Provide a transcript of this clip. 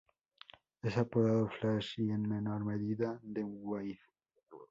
Es apodado "Flash", y en menor medida, "D-Wade".